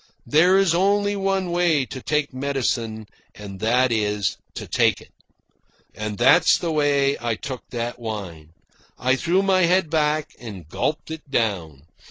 There is only one way to take medicine, and that is to take it. And that is the way I took that wine. I threw my head back and gulped it down.